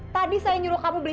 tadi saya nyuruh kamu beli